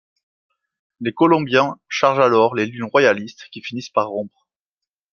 Les Colombiens chargent alors les lignes royalistes, qui finissent par rompre.